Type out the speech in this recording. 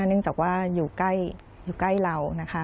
เนื่องจากว่าอยู่ใกล้เรานะคะ